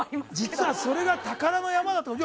実はそれが宝の山なのよ。